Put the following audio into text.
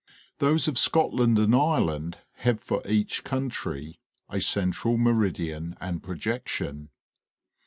Those of Scotland and Ireland have for each country a central meridian and projection.